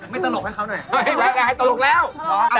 ไม่ให้ตะหลกแล้ว